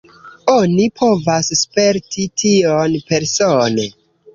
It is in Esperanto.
Oni povas sperti tion persone.